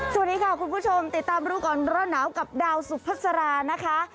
สวัสดีค่ะคุณผู้ชมติดตามรู้ก่อนร้อนหนาวกับดาวสุพัสรานะคะ